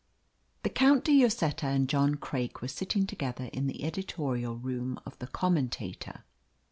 The Count de Lloseta and John Craik were sitting together in the editorial room of the Commentator.